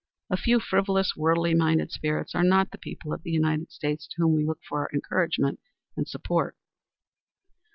A few frivolous, worldly minded spirits are not the people of the United States to whom we look for our encouragement and support."